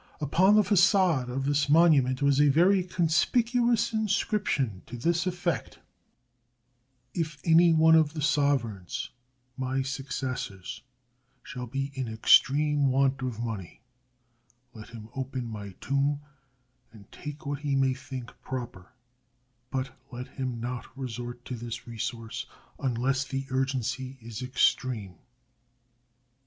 Upon the fagade of this monument was a very conspicuous inscription to this effect: "If any one of the sovereigns, my successors, shall be in extreme want of money, let him open my tomb and take what he may think proper; but let him not resort to this resource unless the urgency is extreme."